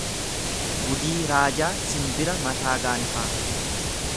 Gudii raajaa sinbira mataa gaanfaa.